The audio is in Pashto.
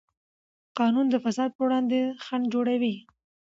قانون د فساد پر وړاندې خنډ جوړوي.